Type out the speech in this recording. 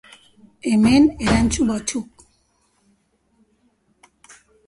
Hemen, erantzun batzuk.